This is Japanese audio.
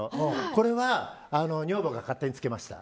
これは女房が勝手につけました。